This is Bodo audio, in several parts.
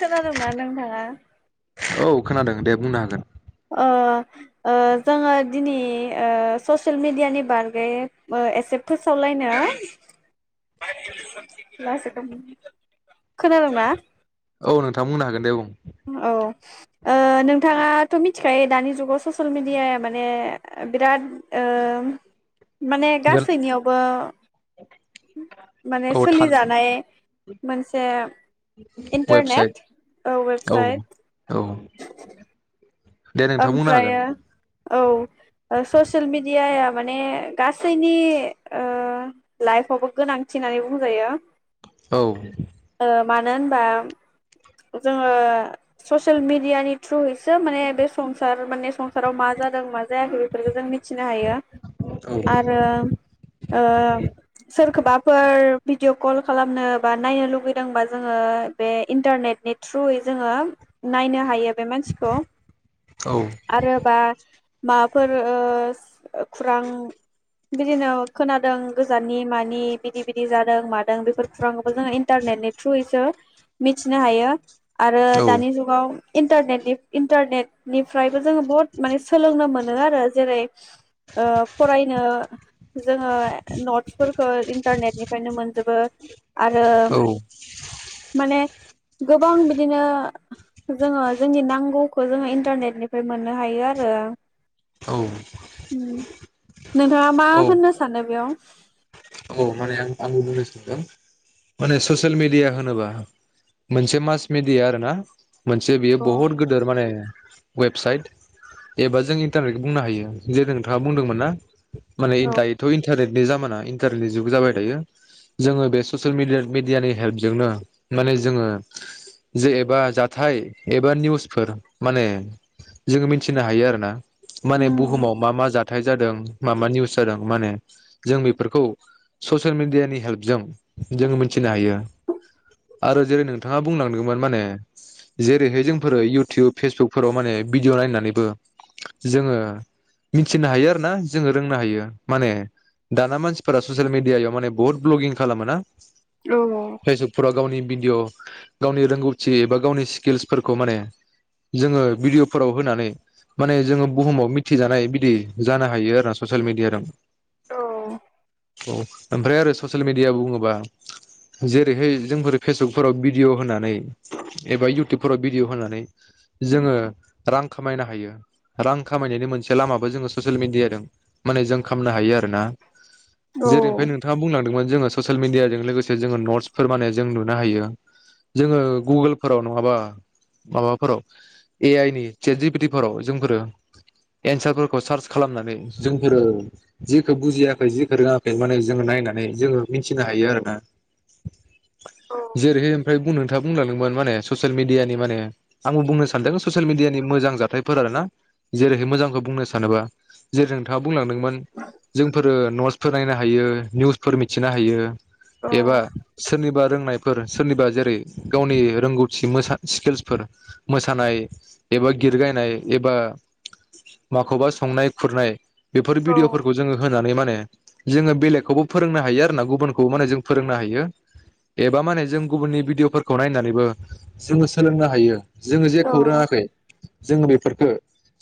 खोनादोंना नोंथाङा? औ खोनादों दे बुंनो हागोन ओ जोङो ओ दिनै ओ ससियेल मिडियानि बागै एसे फोसावलायनो [unintelligible] लासैखौ खोनादों ना औ नोंथां बुंनो हागोन दे बुं औ ओ नोंथाङाथ' मिथिखायो दानि जुगाव ससियेल मिडियााया माने बिराद ओ माने गासैनियावबो माने औ थान सोलिजानाय मोनसे वेबसाइट इन्टारनेट औ औ। दे नोंथां बुंनो ओमफ्र हागोन औ ससियेल मिडियाया माने गासैनि लाइफआवबो गोनांथि होननानै बुंजायो औ ओ मानो होनबा जोङो ससियेल मिेडियानि थ्रुयै [unintelligible] माने बे संसार माने संसाराव मा जादों मा जायाखै बेफोरफोरखौ जोंनि मिथिनो हायो औ आरो ओ सोरखौबाफोर भिडिअ कल खालामनो बा नायनो लुगैदोंबा जोङो बे इन्टारनेटनि थ्रुयै जोङो नायनो हायो बे मानसिखौ आरो बा मा फोर ओ खुरां बिदिनो खोनादों गोजाननि मानि बिदि बिदि जादों मादों बेफोर खुरांखौबो जोङो इन्टारनेटनि थ्रुयैसो मिथिनो हायो आरो दानि जुगाव इन्टारनेटनि इन्टारनेट निफ्रायबो जोङो बुहुत माने सोलोंनो मोनो आरो जेरै ओ फरायनो जोङो नटसफोरखौ इन्टारनेटनिफ्रायनो मोनजोबो आरो माने गोबां बिदिनो जोङो जोंनि नांगौखौ जोङो इन्टारनेट निफ्राय मोननो हायो आरो औ नोंथाङा मा होननो सानो बेयाव? अ माने आं आंबो बुंनो सा [unintelligible] माने ससियेल मिेडिया होनोबा मोनसे मास मिडिया आरो ना मोनसे बेयो औ बहुत गोदोर माने वेबसाइट एबा जों इन्टारनेटखौ बुंनो हायो जेरे नोंथाङा बुंदोंमोन ना? माने [unintelligible] इन औ इन्टारनेटनि जामाना इन्टारनेटनि जुग जाबाय थायो जोङो बे ससियेल मिेडियानि हेल्पजोंनो माने जोङो जे एबा जाथाय एबा निउसफोर माने जोङो मिथिनो हायो आरो ना माने उम बुहुमाव मा मा जा थाय जादों माबा निउस जादों माने जों बेफोरखौ ससियेल मेडियानि हेल्पजों जोङो मिथिनो हायो आरो जेरै नोंथाङा बुंनांदोंमोन माने जेरैहाय जोंफोरो इउटुब फेसबुकफोराव माने भिडिअ नायनानैबो जोङो मिथिनो हायो आरो ना जोङो रोंनो हायो माने दाना मानसि फोरा ससियेल मिडियाायाव माने बहुत ब्लगिं खालामो ना औ फायसुफुराव गावनि बि भिदिअ गावनि रोंगौथि एबा गावनि स्किल्सफोरखौ माने जोङो भिडिअ'फोराव होनानै माने जोङो बुहुमाव मिथिजानाय बिदि जानो हायो आरोना ससियेल मिडिया जों। औ औ ओमफ्राय आरो ससियेल मिेडिया बुङोबा जेरैहाय जोंफोर फेसबुकफोराव भिडिय' होनानै एबा इउटुबफोराव भिडिय' होनानै जोङो रां खामायनो हायो रां खामायनायनि मोनसे लामाबो जोङो ससियेल मिडियाजों माने जों खामनो हायो आर ना औ जेरैनिफ्राय नोंथाङा बुंलां नुदोंमोन जोङो ससियेल मिडियाजों लोगोसे जोङो नत्स फोर माने जों नुनो हायो जोङो गुगल फोराव नङाब्ला माबाफोराव ए आइ नि चेट जि पि थि फोराव जोंफोरो एनसारसफोरखौ सेयार्स खालामनानै जोंफोरो जेखौ बुजियाखै जेखौ रोङा बे माने जोङो नायनानै जोङो मिथिनो हायो आरो ना जेरैहाय ओमफ्राय बुंनो नोंथाङा बुंलांदोंमोन माने ससियेल मिदियानि माने आंबो बुंनो सानदों ससियेल मिदियानि मोजां जाथायफोर ना जेरैहाय मोजांखौ बुंनो सानोबा जेरै नोंथाङा बुंलांदोंमोन जोंफोर न फोर नायनो हायो निउसफोर मिथिनो हायो औ एबा सोरनिबा रोंनायफोर सोरनिबा जेरै गावनि रोंगौथि मोसा स्किल्सफोर मोसानाय एबा गिदगायनाय एबा माखौबा संनाय खुरनाय बेफोर भिदिअफोरखौ जोङो होनानै माने [inaudible] जोङो बेलेगखौबो फोरोंनो हायो आरो ना गुबुनखौबो माने जों फोरोंनो हायो एबा माने जों गुबुननि भिडिअफोरखौ नायनानैबो जोङो सोलोंनो हायो। जोङो जेखौ नोंथां रोङाखै जोङो बेफोरखो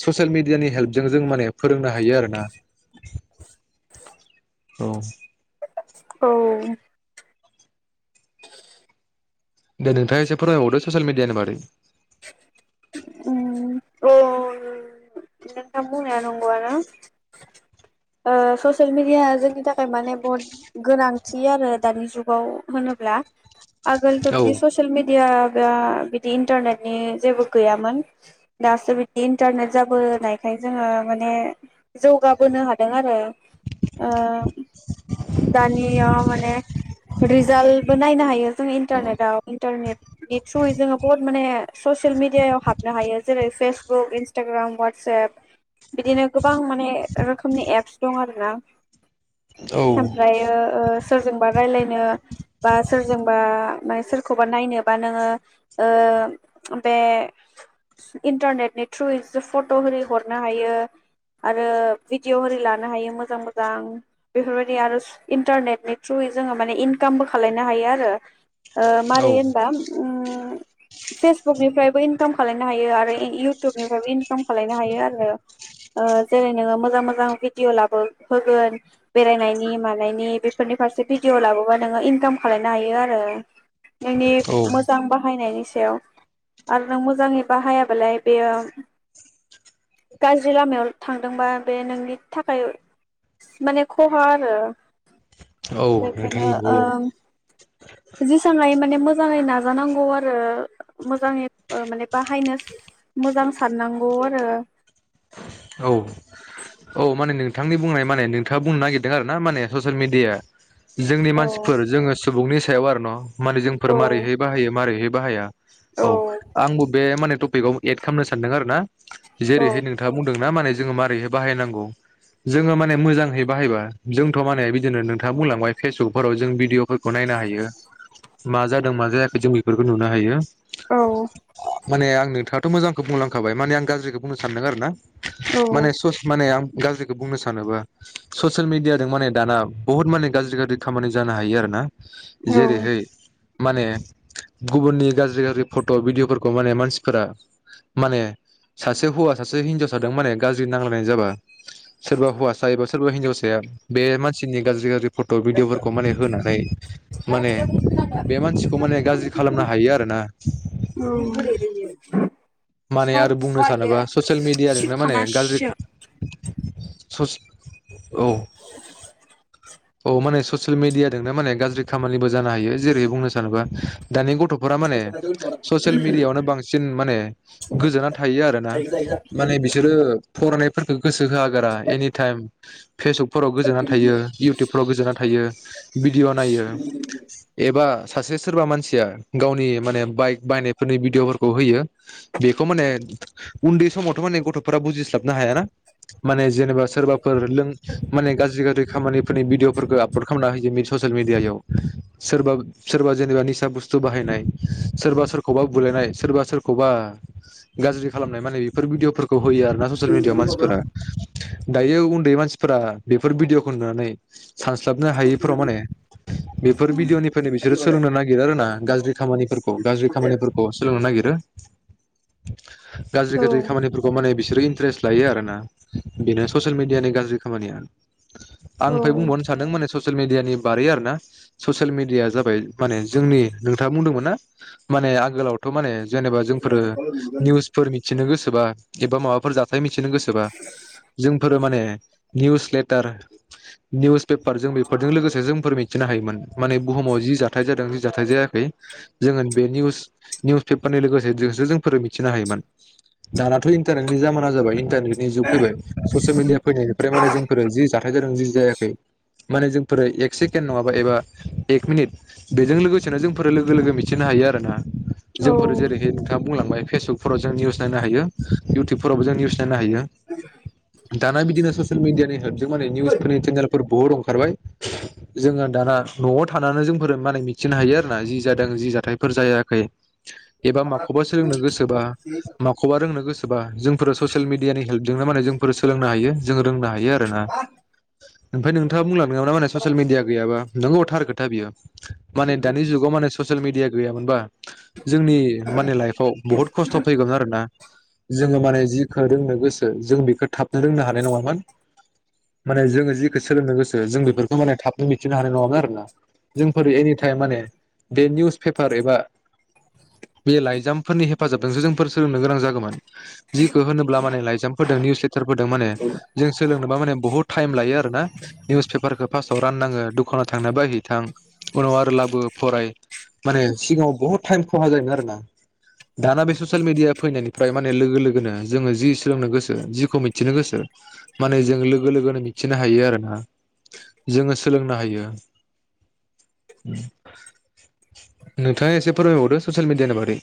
ससियेल मेडियानि हेल्पजों जों माने फोरोंनो हायो आरोना औ औ दे नोंथाङा एसे फोररायबावदो ससियेल मेडियानि बारै औ नोंथां बुंनाया नंगौआनो ओ ससियेल मेडियाआ जोंनि थाखाय माने बहुत गोनांथि आरो दानि जुगाव होनोब्ला आगोल औ बिदि ससेल मिड दिया बा बिदि इन्टारनेटनि जेबो गैयामोन दासो बिदिन इन्टारनेट जाबोनाय ओमफ्राय जोङो माने जौगाबोनो हादों आरो ओ दानियाव माने रिजाल्टबो नायनो हायो जों इन्टारनेटआव इन्टारनेटनि थ्रुयै जोङो बहुद माने ससियेल मिडियायाव हाबनो हायो जेरै फेसबुक, इन्सटाग्राम, वाटसएप बिदिनो गोब गोबां माने रोखोमनि एप्स दं आरोना। औ ओमफ्रायो ओ सोरजोंबा रायलाय नो बा सोरजोंबा सोरखौबा नायनोबा नोङो ओ बे इन्टारनेटनि थ्रुयै फट' होरि हर नो हायो आरो भिडिअ हिरि लानो हायो मोजां मोजां बेफोरबायदि आरो इन्टारनेटनि थ्रुयै जोङो माने इनकामबो खालनो हायो आरो ओ औ मारै होनबा उम फेसबुकनिफ्रायबो इनकाम खालामलायनो हायो आरो इ-इउटुबनिफ्रायबो इनकाम खालामलनो हायो आरो। ओ आरो जेरै नोङो मोजां मोजां भिडिअ' लाबो होगोन बेरायनायनि मानायनि बेफोरनि फारसे भिडिअ' लाबोबा नोङो इनकाम खालायनो हायो आरो। नोंनि औ मोजां बाहायनायनि सायाव आरो नों मोजाङै बाहायाबालाय बेयो गाज्रि लामायाव थांदोंबा बे नोंनि थाखाय माने खहा आरो औ नोंथां बेखायनो नंगौ ओ जेसां हायो माने मो‌ मोजाङै नाजानांगौ आरो मोजाङै माने बाहायनो मोजां साननांगौ आरो। औ औ माने नों नोंथांनि बुंनाय माने नोंथाङा बुंनो नागिरदों आरोना माने ससियेल मिडिया जोंनि औ मानसिफोर जोङो सुबुंनि सायाव आरो न' माने जोंफोर औ मारैहाय बाहायो मारैाय बाहाया औ आंबो बे माने टपिकाव एड खामनो सानदों आरो ना। औ जेरैहाय नों बुंदोंना माने जोङो मारै बाहायनांगौ जोङो माने मोजांहै बाहायबा जोंथ' माने बिदिनो नोंथाङा बुंलांबाय पेसबुकफोराव जों भिदिअ'फोर खौ नायनो हायो। मा जादों मा जायाखै जों बेफोरखौ नुनो हायो। औ माने आं नोंथां थ' मोजांखौ बुंलांखाबाय माने आं गाज्रिखौ बुंनो सानदों आरो ना। औ माने सस माने आं गाज्रिखौ बुंनो सानोबा ससियेल मिडियादों माने दाना बुहुत माने गाज्रि गाज्रि खामानि जानो हायो आरो ना। औ औ जेरैहाय माने गुबुननि गाज्रि गाज्रि फट' भिडिअ'फोरखौ माने मानसिफोरा माने सासे हौवा सासे हिनजाव सादों माने गाज्रि नांलायनाय जाबा सोरबा हौवासा एबा सोरबा हिनजावसाया बे मान सिनि गाज्रि गाज्रि फट' भिडिअ'फोरखौ माने होनानै माने बे मानसिखौ माने गाज्रि खालामनो हायो आरोना। माने आरो बुंनो सानोबा ससियेल मिडियादोंनो माने गाज्रि ससे औ अ माने ससियेल मिडियादोंनो माने गाज्रि खामानिबो जानो हायो। जेरै बुंनो सानोबा दानि गथ'फोरा माने ससियेल मिडियाआवनो बांसिन माने गोजोना थायो आरोना माने बिसोरो फरायनायफोरखो गोसो होआगारा एनि थाइइम फेसबुकफोराव गोजोनानै थायो। इउटुबफ्राव गोजोना थायो भिडिअ नायो एब बा सासे सोरबा मानसिया गावनि माने बाइक बायनायफोरनि भिडिअ'फोरखौ होयो बेखौ माने उन्दै समावथ' माने गथ'फोरा बुजिस्लाबनो हायाना माने जेनेबा सोरबाफोर लों माने गाज्रि गाज्रि खामानि भिडिअ'फोरखो आपल'ड खामना होेयो ससेल मिडियाआव सोरबा सोरबा जेनेबा निसा बुस्थु बाहायनाय सोरबा सोरखौबा बुलायनाय सोरबा सोरखौबा गाज्रि खालामनाय माने इफोर भिडिअ'फोर खौ होयो आरो ना ससियेल मिडियाव मानसिफोरा। दायो उन्दै मानसिफोरा बेफोर भिदिअ'खौ नुनानै सानस्लाबनो हायैफोराव माने बेफोर भिडिअ'निफ्रायनो बिसोरो सोलोंनो नागिरो आरोना गाज्रि खामानिफोरखौ गाज्रि खामानिफोरखौ सोलोंनो नागिर रो गाज्रि गाज्रि खामानिफोरखौ माने बिसोरो इन्ट्रेस्ट लायो आरोना बेनो ससियेल मिडियानि गाज्रि खामानिया। आंनिफ्राय बुंबावनो माने सस ससियेल मिडियानि बारै आरो ना ससियेल मिडिया जाबाय माने जोंनि नोंथाङा बुंदोंमोन। ना माने आगोलावथ' माने जेनेबा जोंफोर निउसफोरनि। मिथिनो गोसोबा एबा माबाफोर जाथाय मिथि सेनो गोसोबा जोंफोरो माने निउस लेटार निउस पेपार जों बेफोरजों लोगोसे जोंफोर मिथिनो हायोमोन माने बुहुमाव जि जाथाय जादों जि जाथाय जायाखै जोङो बे निउस निउस पेपारनि लोगोसे जोंसो जोंफोर मिथिनो हायोमोन दानाथ' इन्टारनेटनि जामाना जाबाय। दा बिनिजुग फैबाय ससियेल मिडिया फैनायनिफ्राय माने जोंफोर जि गोरों जु जायाखै माने जोंफोरो एक सेकेण्ड नङाबा एबा एक मिनिट बेजों लोगोसेनो जोंफोरो लोगो-लोगो मिथिनो हायो आरो ना। जोंफोर जेरैहाय नोंथां। बुंलांबाय फेसबुकफोराव जों निउस नायनो हायो इउटुबावबो जों निउस जानो हायो। दाना बिदिनो ससियेल मिडियानि [unintelligible] बुहुद ओंखारबाय जोङो दाना न'आव थानानै जोंफोरो माने मिथिनो हायो आरोना जि जादों, जि जाथायफोर जायाखै। एबा माखौबा सोलोंनो गोसोबा माखौबा रोंनो गोसोबा जोंफोरो ससियेल मिडियानि हेल्पजोंनो माने जोंफोर सोलोंनो हायो। जों रोंनो हायो आरो ना। [inaudible] ओमफ्राय नोंथाङा बुंलां नङा ना माने ससियेल मिडिया गैयाबा नोंगौ थार खोथा बेयो। माने दानि जुगाव माने ससियेल मिडिया गैयामोनबा जोंनि माने लाइफआव बुहुत खस्थ फैगौमोन आरोना जोङो माने जि रोंनो गोसो जों बेखौ थाब रोंनो हानाय नङामोन। माने जोङो जिखौ सोलोंनो गोसो जों बेफोरखौ माने थाबनो मिथिनो हानाय नङामोन आरोना जोंफोर एनि टाइम माने बे निउस पेपार एबा बे लाइजामफोरनि हेफाजाबजोंसो जोंफोर सोलोंनो गोनां जागौमोन। जिखौ होनोब्ला माने लाइजामफोरदों निउस लेटारफोरदों माने जों सोलों [unintelligible] बहुत थाएम लायो आरोना निसु फेफारखौ बासाव रान्नाहो दखानाव थांना बायहै थां उनाव आरो लाबो फराय माने सिगाङाव बहुत टाइम खहा जायोमोन आरोना दाना बे ससेेल मिडिया फैनायनिफ्राय माने लोगो लोगोनो जोङो जि सोलोंनो गोसो जिखौ मिथिनो गोसो मान जों लोगो लोगोनो मिथिनो हायो आरोना जोङो सोलोंनो हायो नोंथाङा एसे फोरमायबावदो ससियेल मिडियानि बागै।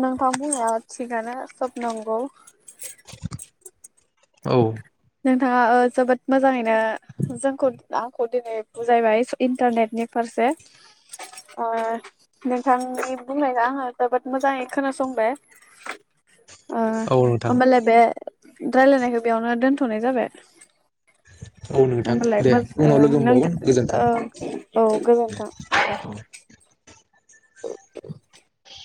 नोंथांआ थिगानो सब नंगौ। औ। नोंथाङा ओ जोबोद मोजाङैनो जोंखौ आंखौ दिनै बुजायबाय इन्टारनेटनि फारसे ओ नोंथांनि बुंनायखौ आङो जोबोद मोजाङै खोनासंबाय। ओ औ नोंथां ओमबालाय बे रायज्लायनायखौ बेयावनो दोन थनाय जाबाय औ नोंथां होमबालाय दे मो उनाव लोगो नोंथां मोनबावगोन गोजोन्थों औ गोजोन्थों दे। औ [unintelligible]